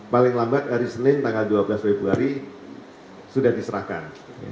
paling lambat hari senin tanggal dua belas februari sudah diserahkan